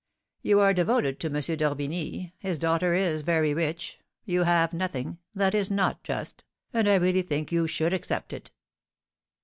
You are devoted to M. d'Orbigny. His daughter is very rich; you have nothing. That is not just; and I really think you should accept it."